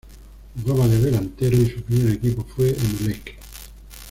Jugaba de delantero y su primer equipo fue Emelec.